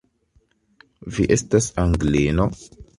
Vi estas Anglino?